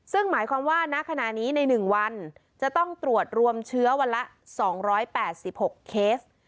ซึ่งหมายความว่าณขณะนี้ใน๑วันจะต้องตรวจรวมเชื้อวันละ๒๘๖เคส